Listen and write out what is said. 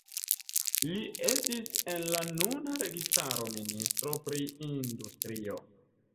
Li estis en la nuna registaro ministro pri industrio.